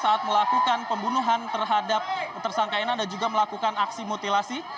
saat melakukan pembunuhan terhadap tersangka enan dan juga melakukan aksi mutilasi